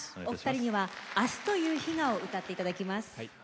お二人には「あすという日が」を歌っていただきます。